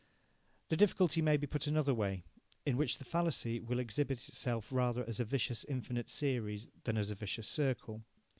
The difficulty may be put in another way, in which the fallacy will exhibit itself rather as a vicious infinite series than as a vicious circle.